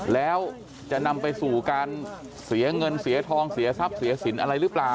แล้วจะนำไปสู่การเสียเงินเสียทองเสียทรัพย์เสียสินอะไรหรือเปล่า